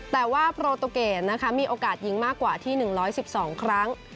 แต่ว่าโปรตูเกตมีโอกาสยิงมากกว่าที่๑๑๒ครั้ง